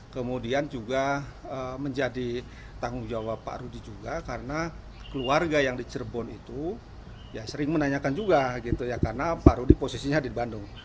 kemudian juga menjadi tanggung jawab pak rudi juga karena keluarga yang di cirebon itu ya sering menanyakan juga gitu ya karena pak rudi posisinya di bandung